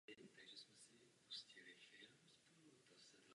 Větší část zahrady je přeměněna na volně přístupný park.